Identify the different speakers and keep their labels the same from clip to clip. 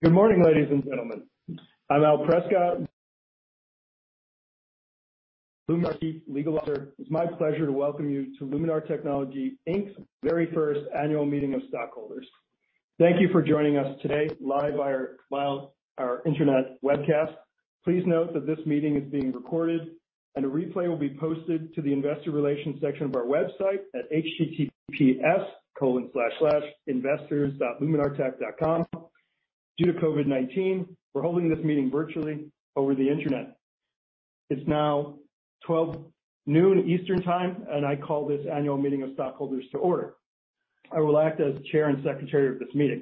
Speaker 1: Good morning, ladies and gentlemen. I'm Al Prescott, Luminar Chief Legal Officer. It's my pleasure to welcome you to Luminar Technologies, Inc. very first annual meeting of stockholders. Thank you for joining us today, live via our internet webcast. Please note that this meeting is being recorded, and a replay will be posted to the investor relations section of our website at https://investors.luminartech.com. Due to COVID-19, we're holding this meeting virtually over the internet. It's now 12:00 noon Eastern Time, and I call this annual meeting of stockholders to order. I will act as chair and secretary of this meeting.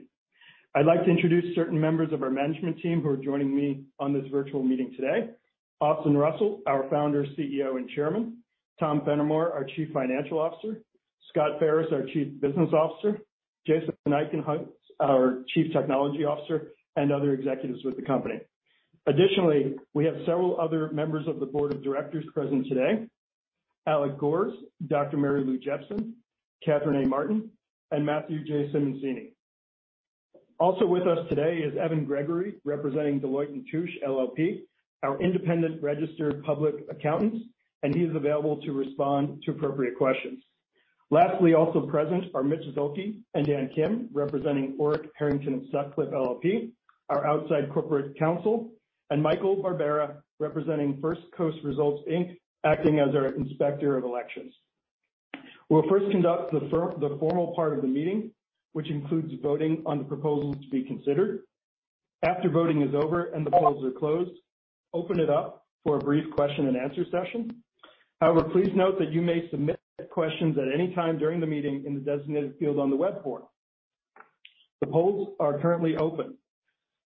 Speaker 1: I'd like to introduce certain members of our management team who are joining me on this virtual meeting today: Austin Russell, our founder, CEO, and chairman; Tom Fennimore, our Chief Financial Officer; Scott Faris, our Chief Business Officer; Jason Eichenholz, our Chief Technology Officer; and other executives with the company. Additionally, we have several other members of the board of directors present today: Alec Gores, Dr. Mary Lou Jepsen, Katharine A. Martin, and Matthew J. Simoncini. Also with us today is Evan Gregory, representing Deloitte & Touche LLP, our independent registered public accountants, and he is available to respond to appropriate questions. Lastly, also present are Mitch Zielke and Dan Kim, representing Orrick, Herrington & Sutcliffe LLP, our outside corporate counsel, and Michael Barbera, representing First Coast Results, Inc., acting as our inspector of elections. We'll first conduct the formal part of the meeting, which includes voting on the proposals to be considered. After voting is over and the polls are closed, we'll open it up for a brief question-and-answer session. However, please note that you may submit questions at any time during the meeting in the designated field on the web portal. The polls are currently open.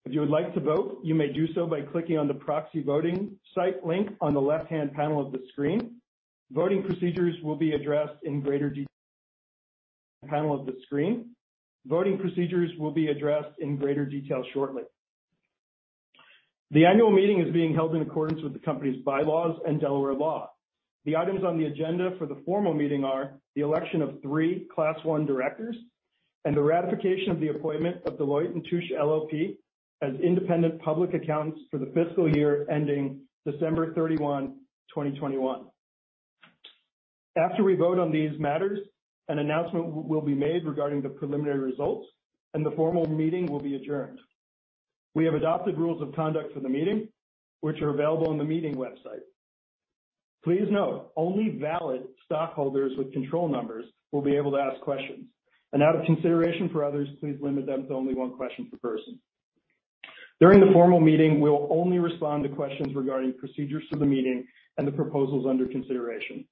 Speaker 1: If you would like to vote, you may do so by clicking on the proxy voting site link on the left-hand panel of the screen. Voting procedures will be addressed in greater detail on the panel of the screen. Voting procedures will be addressed in greater detail shortly. The annual meeting is being held in accordance with the company's bylaws and Delaware law. The items on the agenda for the formal meeting are the election of three Class I directors and the ratification of the appointment of Deloitte & Touche LLP as independent public accountants for the fiscal year ending December 31, 2021. After we vote on these matters, an announcement will be made regarding the preliminary results, and the formal meeting will be adjourned. We have adopted rules of conduct for the meeting, which are available on the meeting website. Please note, only valid stockholders with control numbers will be able to ask questions. Out of consideration for others, please limit them to only one question per person. During the formal meeting, we will only respond to questions regarding procedures for the meeting and the proposals under consideration.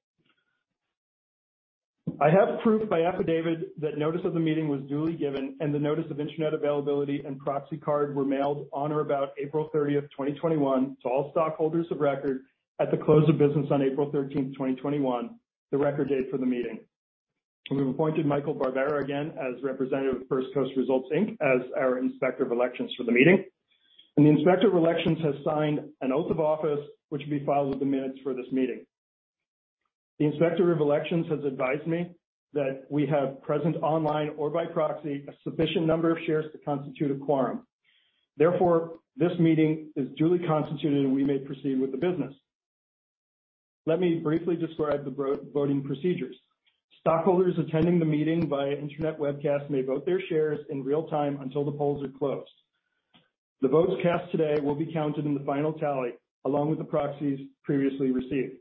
Speaker 1: I have proof by affidavit that notice of the meeting was duly given, and the notice of internet availability and proxy card were mailed on or about April 30th, 2021, to all stockholders of record at the close of business on April 13th, 2021, the record date for the meeting. We have appointed Michael Barbera again as representative of First Coast Results, Inc. as our inspector of elections for the meeting. The inspector of elections has signed an oath of office, which will be filed with the minutes for this meeting. The inspector of elections has advised me that we have present online or by proxy a sufficient number of shares to constitute a quorum. Therefore, this meeting is duly constituted, and we may proceed with the business. Let me briefly describe the voting procedures. Stockholders attending the meeting via internet webcast may vote their shares in real time until the polls are closed. The votes cast today will be counted in the final tally along with the proxies previously received.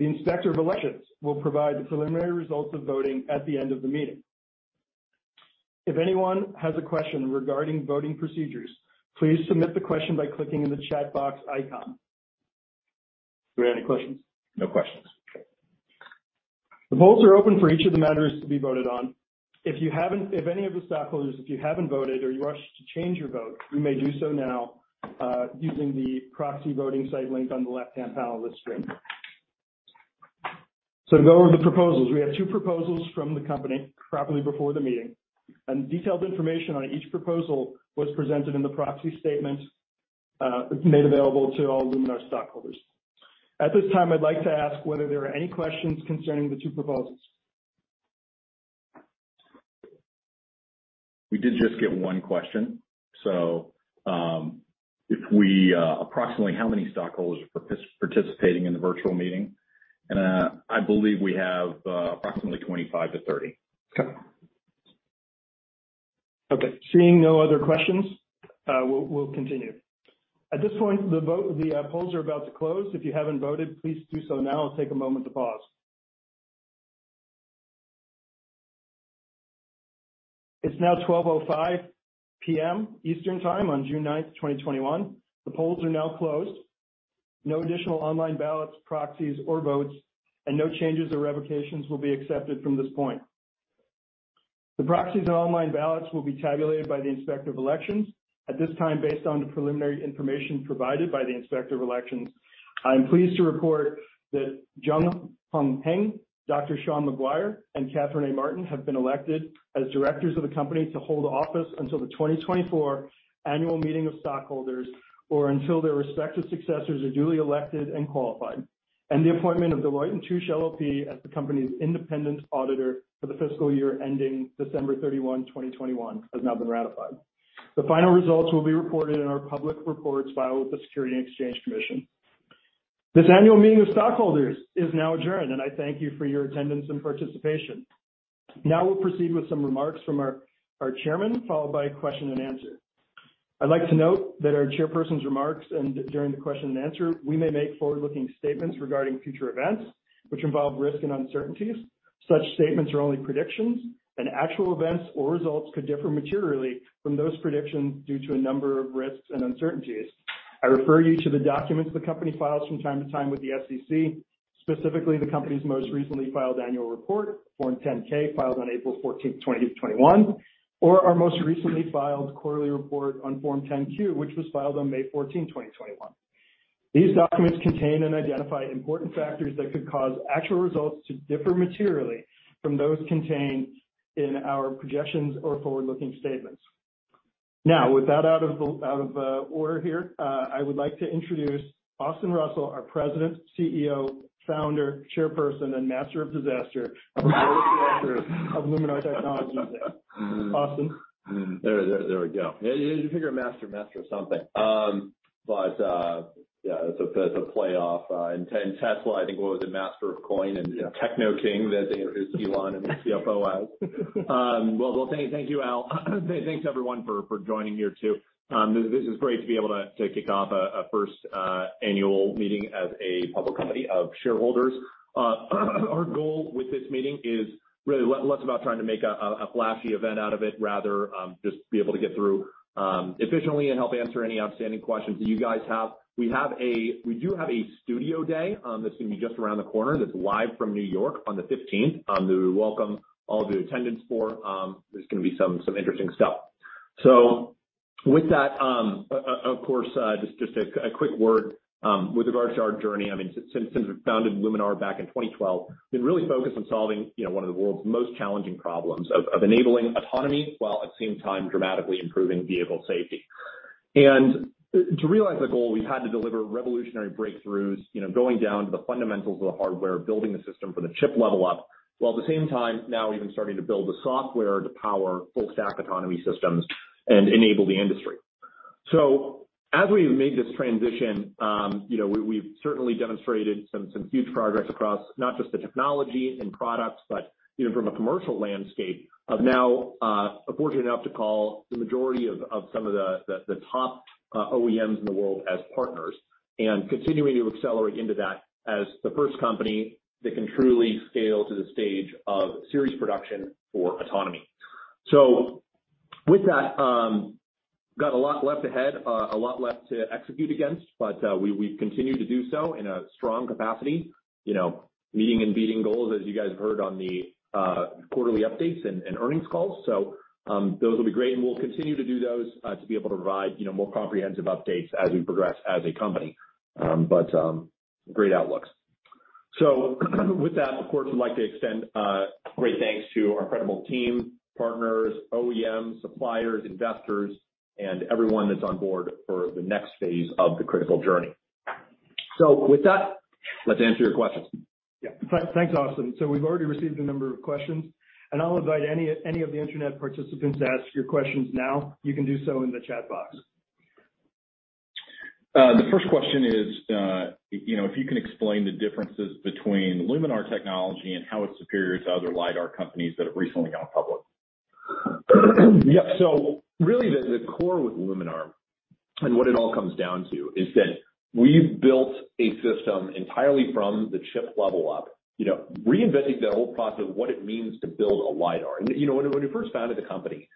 Speaker 1: The inspector of elections will provide the preliminary results of voting at the end of the meeting. If anyone has a question regarding voting procedures, please submit the question by clicking in the chat box icon. Do we have any questions?
Speaker 2: No questions.
Speaker 1: The polls are open for each of the matters to be voted on. If any of the stockholders, if you haven't voted or you wish to change your vote, you may do so now using the proxy voting site link on the left-hand panel of the screen. To go over the proposals, we have two proposals from the company properly before the meeting. Detailed information on each proposal was presented in the proxy statement made available to all Luminar stockholders. At this time, I'd like to ask whether there are any questions concerning the two proposals.
Speaker 2: We did just get one question. Approximately how many stockholders are participating in the virtual meeting? I believe we have approximately 25-30.
Speaker 1: Okay. Okay. Seeing no other questions, we'll continue. At this point, the polls are about to close. If you haven't voted, please do so now or take a moment to pause. It's now 12:05 P.M. Eastern Time on June 9, 2021. The polls are now closed. No additional online ballots, proxies, or votes, and no changes or revocations will be accepted from this point. The proxies and online ballots will be tabulated by the inspector of elections. At this time, based on the preliminary information provided by the inspector of elections, I'm pleased to report that Jun Hong Heng, Dr. Shaun Maguire, and Katharine A. Martin have been elected as directors of the company to hold office until the 2024 annual meeting of stockholders or until their respective successors are duly elected and qualified. The appointment of Deloitte & Touche LLP as the company's independent auditor for the fiscal year ending December 31, 2021, has now been ratified. The final results will be reported in our public reports filed with the U.S. Securities and Exchange Commission. This annual meeting of stockholders is now adjourned, and I thank you for your attendance and participation. Now we'll proceed with some remarks from our chairman, followed by a question and answer. I'd like to note that our chairperson's remarks and during the question and answer, we may make forward-looking statements regarding future events, which involve risk and uncertainties. Such statements are only predictions, and actual events or results could differ materially from those predictions due to a number of risks and uncertainties. I refer you to the documents the company files from time to time with the SEC, specifically the company's most recently filed annual report, Form 10-K, filed on April 14, 2021, or our most recently filed quarterly report on Form 10-Q, which was filed on May 14, 2021. These documents contain and identify important factors that could cause actual results to differ materially from those contained in our projections or forward-looking statements. Now, with that out of order here, I would like to introduce Austin Russell, our President, CEO, founder, chairperson, and master of disaster of Luminar Technologies. Austin?
Speaker 3: There we go. You figure a master of something. But yeah, that's a playoff. And Tesla, I think, was a master of coin and techno king that they introduced Elon and the CFO as. Thank you, Al. Thanks everyone for joining here too. This is great to be able to kick off a first annual meeting as a public company of shareholders. Our goal with this meeting is really less about trying to make a flashy event out of it, rather just be able to get through efficiently and help answer any outstanding questions that you guys have. We do have a Studio Day that's going to be just around the corner that's live from New York on the 15th that we welcome all of the attendance for. There's going to be some interesting stuff. With that, of course, just a quick word with regards to our journey. I mean, since we founded Luminar back in 2012, we've been really focused on solving one of the world's most challenging problems of enabling autonomy while at the same time dramatically improving vehicle safety. To realize the goal, we've had to deliver revolutionary breakthroughs going down to the fundamentals of the hardware, building the system from the chip level up, while at the same time now we're even starting to build the software to power full-stack autonomy systems and enable the industry. As we've made this transition, we've certainly demonstrated some huge progress across not just the technology and products, but even from a commercial landscape of now, fortunate enough to call the majority of some of the top OEMs in the world as partners and continuing to accelerate into that as the first company that can truly scale to the stage of series production for autonomy. With that, got a lot left ahead, a lot left to execute against, but we've continued to do so in a strong capacity, meeting and beating goals as you guys have heard on the quarterly updates and earnings calls. Those will be great, and we'll continue to do those to be able to provide more comprehensive updates as we progress as a company. Great outlooks. With that, of course, we'd like to extend great thanks to our incredible team, partners, OEMs, suppliers, investors, and everyone that's on board for the next phase of the critical journey. With that, let's answer your questions.
Speaker 1: Yeah. Thanks, Austin. So we've already received a number of questions, and I'll invite any of the internet participants to ask your questions now. You can do so in the chat box.
Speaker 2: The first question is, if you can explain the differences between Luminar Technologies and how it's superior to other LiDAR companies that have recently gone public.
Speaker 3: Yeah. Really the core with Luminar and what it all comes down to is that we've built a system entirely from the chip level up, reinventing the whole process of what it means to build a LiDAR. When we first founded the company,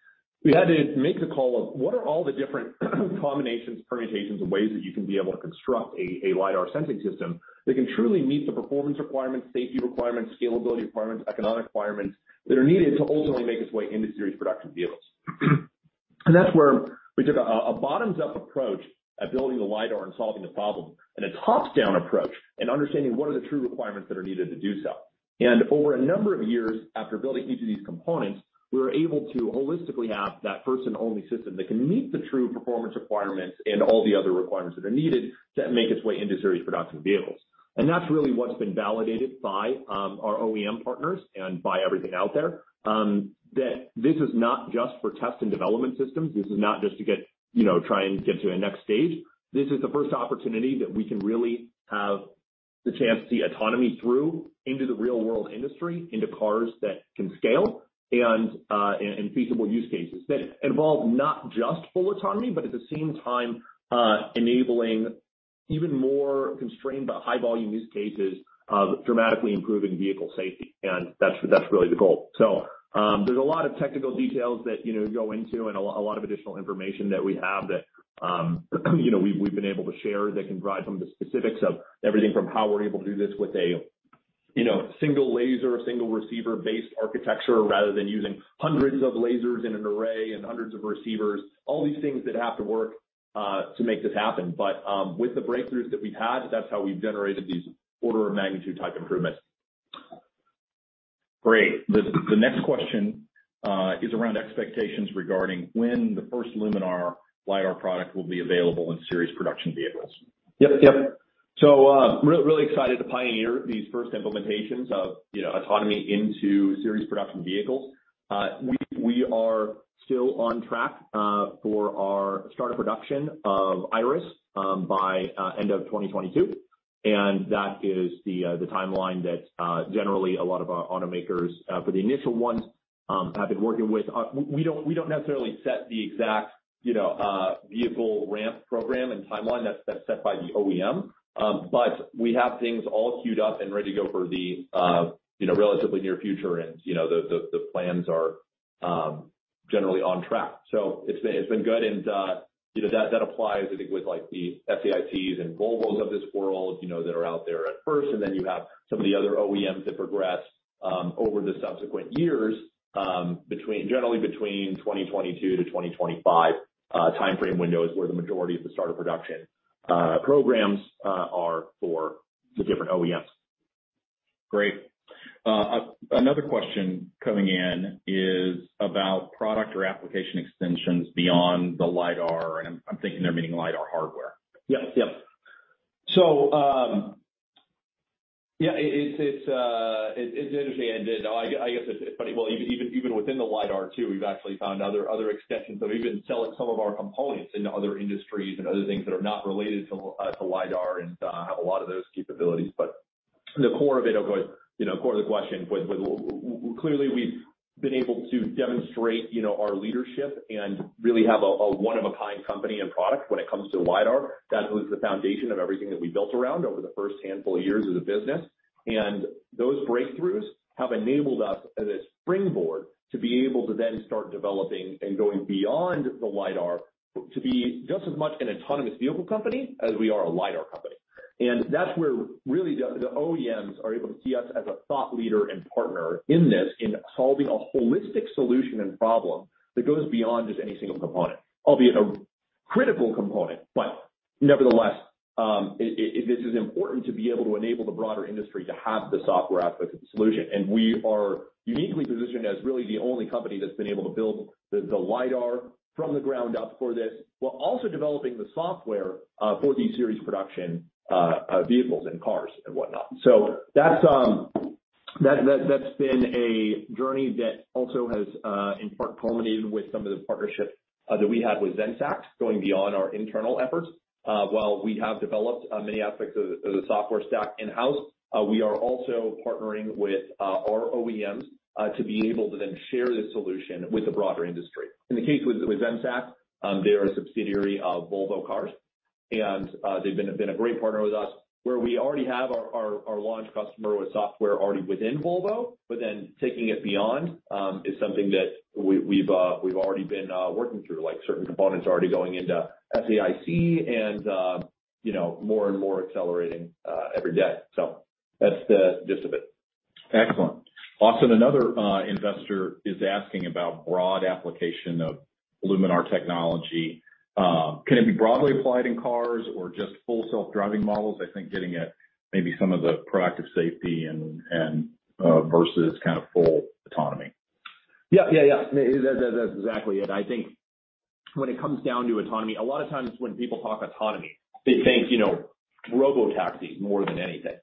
Speaker 3: we had to make the call of what are all the different combinations, permutations, and ways that you can be able to construct a LiDAR sensing system that can truly meet the performance requirements, safety requirements, scalability requirements, economic requirements that are needed to ultimately make its way into series production vehicles. That's where we took a bottoms-up approach at building the LiDAR and solving the problem and a top-down approach in understanding what are the true requirements that are needed to do so. Over a number of years after building each of these components, we were able to holistically have that first and only system that can meet the true performance requirements and all the other requirements that are needed to make its way into series production vehicles. That's really what's been validated by our OEM partners and by everything out there that this is not just for test and development systems. This is not just to try and get to a next stage. This is the first opportunity that we can really have the chance to see autonomy through into the real-world industry, into cars that can scale and in feasible use cases that involve not just full autonomy, but at the same time enabling even more constrained but high-volume use cases of dramatically improving vehicle safety. That is really the goal. There is a lot of technical details that go into and a lot of additional information that we have that we have been able to share that can drive some of the specifics of everything from how we are able to do this with a single laser, single receiver-based architecture rather than using hundreds of lasers in an array and hundreds of receivers, all these things that have to work to make this happen. With the breakthroughs that we have had, that is how we have generated these order of magnitude type improvements.
Speaker 2: Great. The next question is around expectations regarding when the first Luminar LiDAR product will be available in series production vehicles.
Speaker 3: Yep, yep. Really excited to pioneer these first implementations of autonomy into series production vehicles. We are still on track for our start of production of Iris by end of 2022. That is the timeline that generally a lot of our automakers for the initial ones have been working with. We do not necessarily set the exact vehicle ramp program and timeline, that is set by the OEM, but we have things all queued up and ready to go for the relatively near future. The plans are generally on track. It has been good. That applies, I think, with the SAIC and Volvos of this world that are out there at first. You have some of the other OEMs that progress over the subsequent years, generally between 2022-2025 timeframe windows where the majority of the start of production programs are for the different OEMs.
Speaker 2: Great. Another question coming in is about product or application extensions beyond the LiDAR. I'm thinking they're meaning LiDAR hardware.
Speaker 3: Yep, yep. It's interesting. I guess it's funny. Even within the LiDAR too, we've actually found other extensions that we've been selling some of our components into other industries and other things that are not related to LiDAR and have a lot of those capabilities. The core of it, of course, core of the question was clearly we've been able to demonstrate our leadership and really have a one-of-a-kind company and product when it comes to LiDAR. That was the foundation of everything that we built around over the first handful of years as a business. Those breakthroughs have enabled us as a springboard to be able to then start developing and going beyond the LiDAR to be just as much an autonomous vehicle company as we are a LiDAR company. That is where really the OEMs are able to see us as a thought leader and partner in this in solving a holistic solution and problem that goes beyond just any single component, albeit a critical component. Nevertheless, this is important to be able to enable the broader industry to have the software aspect of the solution. We are uniquely positioned as really the only company that has been able to build the LiDAR from the ground up for this, while also developing the software for these series production vehicles and cars and whatnot. That's been a journey that also has in part culminated with some of the partnership that we had with Zenseact going beyond our internal efforts. While we have developed many aspects of the software stack in-house, we are also partnering with our OEMs to be able to then share this solution with the broader industry. In the case with Zenseact, they're a subsidiary of Volvo Cars, and they've been a great partner with us where we already have our launch customer with software already within Volvo, but then taking it beyond is something that we've already been working through. Certain components are already going into SAIC and more and more accelerating every day. That's the gist of it.
Speaker 2: Excellent. Austin, another investor is asking about broad application of Luminar Technology. Can it be broadly applied in cars or just full self-driving models? I think getting at maybe some of the proactive safety versus kind of full autonomy.
Speaker 3: Yeah, yeah, yeah. That's exactly it. I think when it comes down to autonomy, a lot of times when people talk autonomy, they think robotaxis more than anything.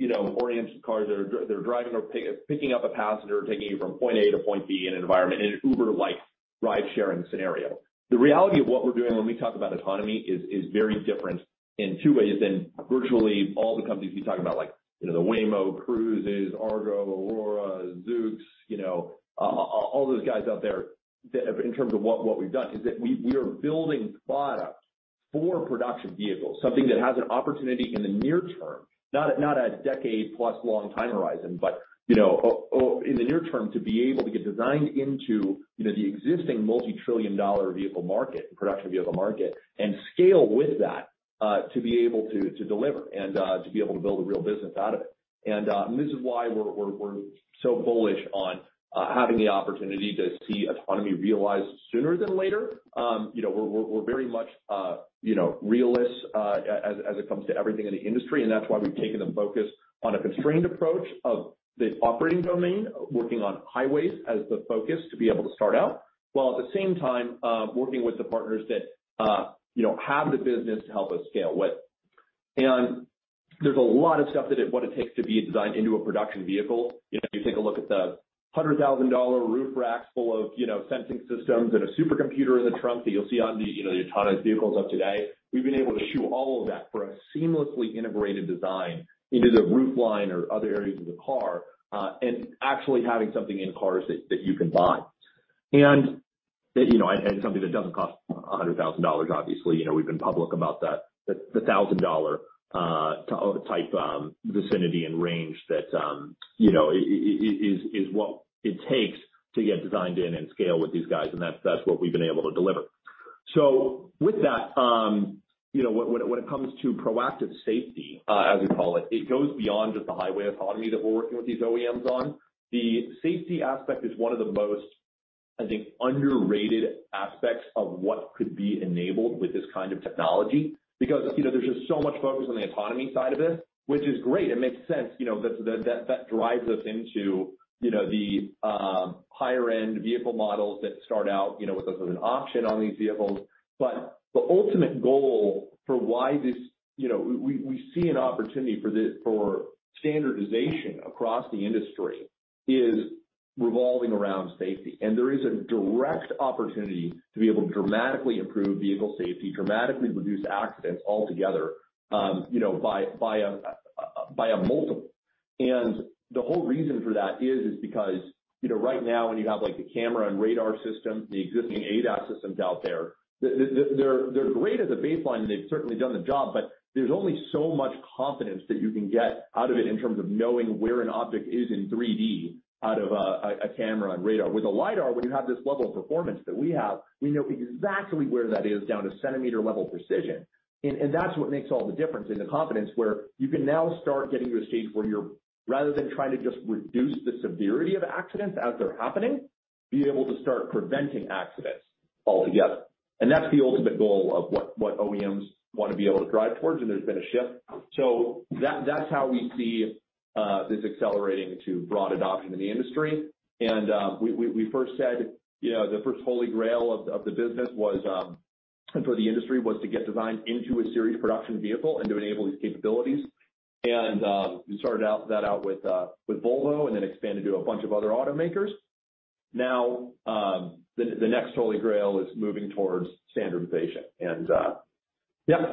Speaker 3: Urban-oriented cars, they're driving or picking up a passenger or taking you from point A to point B in an environment in an Uber-like ride-sharing scenario. The reality of what we're doing when we talk about autonomy is very different in two ways. Virtually all the companies you talk about, like Waymo, Cruise, Argo, Aurora, Zoox, all those guys out there, in terms of what we've done is that we are building product for production vehicles, something that has an opportunity in the near term, not a decade-plus long time horizon, but in the near term to be able to get designed into the existing multi-trillion-dollar vehicle market, production vehicle market, and scale with that to be able to deliver and to be able to build a real business out of it. This is why we're so bullish on having the opportunity to see autonomy realized sooner than later. We're very much realist as it comes to everything in the industry. That is why we have taken a focus on a constrained approach of the operating domain, working on highways as the focus to be able to start out, while at the same time working with the partners that have the business to help us scale with. There is a lot of stuff that it takes to be designed into a production vehicle. You take a look at the $100,000 roof racks full of sensing systems and a supercomputer in the trunk that you will see on the autonomous vehicles of today. We have been able to shoe all of that for a seamlessly integrated design into the roof line or other areas of the car and actually having something in cars that you can buy. And something that does not cost $100,000, obviously. We've been public about the $1,000 type vicinity and range that is what it takes to get designed in and scale with these guys. That's what we've been able to deliver. With that, when it comes to proactive safety, as we call it, it goes beyond just the highway autonomy that we're working with these OEMs on. The safety aspect is one of the most, I think, underrated aspects of what could be enabled with this kind of technology because there's just so much focus on the autonomy side of this, which is great. It makes sense. That drives us into the higher-end vehicle models that start out with us as an option on these vehicles. The ultimate goal for why we see an opportunity for standardization across the industry is revolving around safety. There is a direct opportunity to be able to dramatically improve vehicle safety, dramatically reduce accidents altogether by a multiple. The whole reason for that is because right now, when you have the camera and radar systems, the existing ADAS systems out there, they're great as a baseline. They've certainly done the job, but there's only so much confidence that you can get out of it in terms of knowing where an object is in 3D out of a camera and radar. With a LiDAR, when you have this level of performance that we have, we know exactly where that is down to centimeter-level precision. That's what makes all the difference in the confidence where you can now start getting to a stage where you're, rather than trying to just reduce the severity of accidents as they're happening, be able to start preventing accidents altogether. That is the ultimate goal of what OEMs want to be able to drive towards. There has been a shift. That is how we see this accelerating to broad adoption in the industry. We first said the first holy grail of the business for the industry was to get designed into a series production vehicle and to enable these capabilities. We started that out with Volvo and then expanded to a bunch of other automakers. Now the next holy grail is moving towards standardization. Yeah,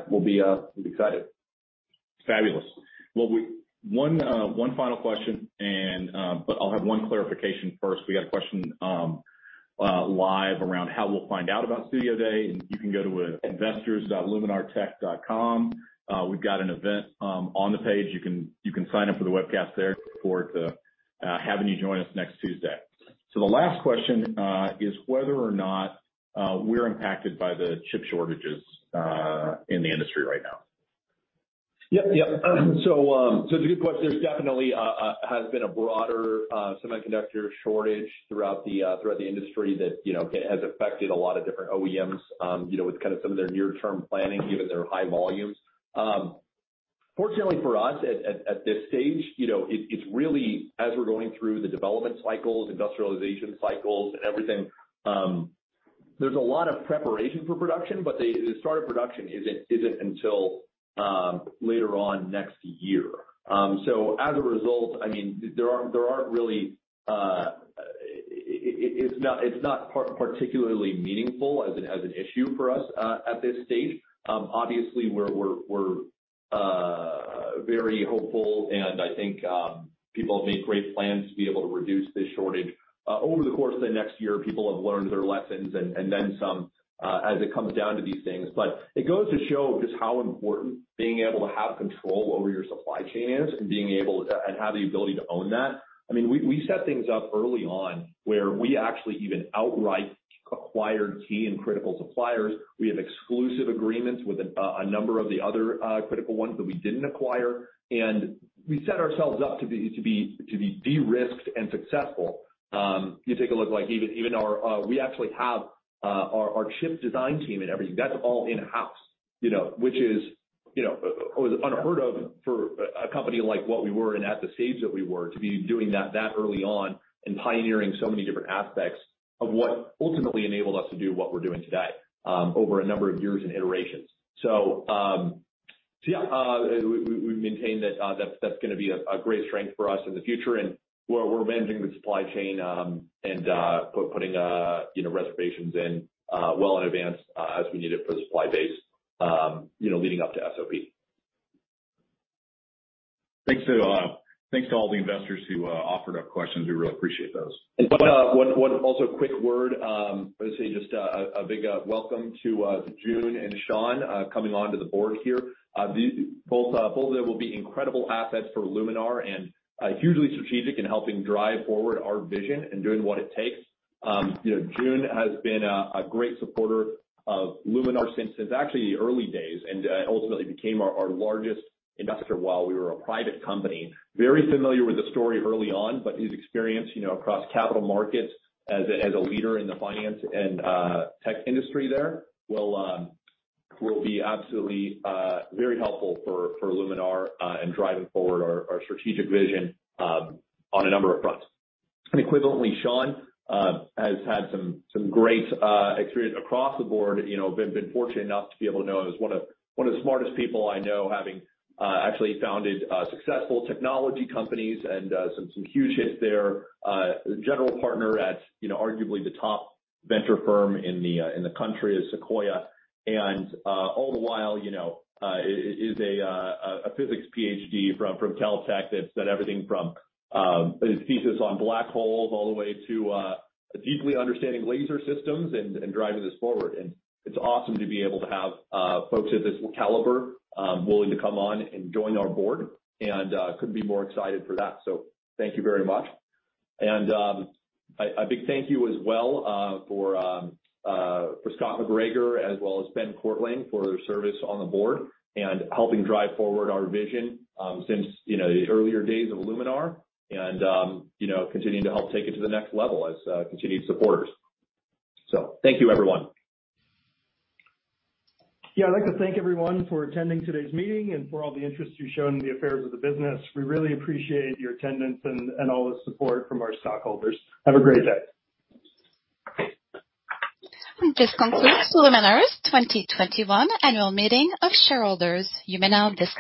Speaker 3: we will be excited.
Speaker 2: Fabulous. One final question, but I will have one clarification first. We had a question live around how we will find out about Studio Day. You can go to investors.luminartech.com. We have an event on the page. You can sign up for the webcast there for it to have you join us next Tuesday. The last question is whether or not we're impacted by the chip shortages in the industry right now.
Speaker 3: Yep, yep. It's a good question. There definitely has been a broader semiconductor shortage throughout the industry that has affected a lot of different OEMs with kind of some of their near-term planning, given their high volumes. Fortunately for us at this stage, it's really, as we're going through the development cycles, industrialization cycles, and everything, there's a lot of preparation for production, but the start of production isn't until later on next year. As a result, I mean, there aren't really, it's not particularly meaningful as an issue for us at this stage. Obviously, we're very hopeful, and I think people have made great plans to be able to reduce this shortage. Over the course of the next year, people have learned their lessons and then some as it comes down to these things. It goes to show just how important being able to have control over your supply chain is and being able to have the ability to own that. I mean, we set things up early on where we actually even outright acquired key and critical suppliers. We have exclusive agreements with a number of the other critical ones that we did not acquire. We set ourselves up to be de-risked and successful. You take a look at even our we actually have our chip design team and everything. That's all in-house, which is unheard of for a company like what we were and at the stage that we were to be doing that that early on and pioneering so many different aspects of what ultimately enabled us to do what we're doing today over a number of years and iterations. Yeah, we maintain that that's going to be a great strength for us in the future. We're managing the supply chain and putting reservations in well in advance as we need it for the supply base leading up to SOP.
Speaker 2: Thanks to all the investors who offered up questions. We really appreciate those.
Speaker 3: One also quick word. I would say just a big welcome to Jun and Shaun coming on to the board here. Both of them will be incredible assets for Luminar and hugely strategic in helping drive forward our vision and doing what it takes. Jun has been a great supporter of Luminar since actually the early days and ultimately became our largest investor while we were a private company. Very familiar with the story early on, but his experience across capital markets as a leader in the finance and tech industry there will be absolutely very helpful for Luminar in driving forward our strategic vision on a number of fronts. Equivalently, Shaun has had some great experience across the board. I've been fortunate enough to be able to know he was one of the smartest people I know, having actually founded successful technology companies and some huge hits there. General partner at arguably the top venture firm in the country is Sequoia. All the while, he is a physics PhD from Caltech that's done everything from his thesis on black holes all the way to deeply understanding laser systems and driving this forward. It's awesome to be able to have folks at this caliber willing to come on and join our board. I couldn't be more excited for that. Thank you very much. A big thank you as well for Scott McGregor as well as Ben Kortlang for their service on the board and helping drive forward our vision since the earlier days of Luminar and continuing to help take it to the next level as continued supporters. Thank you, everyone.
Speaker 1: I'd like to thank everyone for attending today's meeting and for all the interest you've shown in the affairs of the business. We really appreciate your attendance and all the support from our stockholders.
Speaker 4: Have a great day. This concludes Luminar's 2021 annual meeting of shareholders. You may now disconnect.